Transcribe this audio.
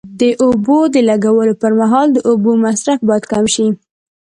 د اوبو د لګولو پر مهال د اوبو مصرف باید کم شي.